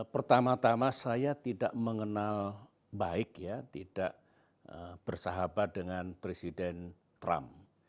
pertama tama saya tidak mengenal baik ya tidak bersahabat dengan presiden trump